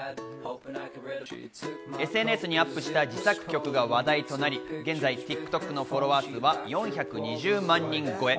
ＳＮＳにアップした自作曲が話題となり、現在ＴｉｋＴｏｋのフォロワー数は４２０万人超え。